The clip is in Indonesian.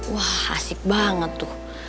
wah asik banget tuh